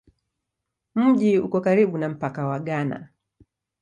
Mji uko karibu na mpaka wa Ghana.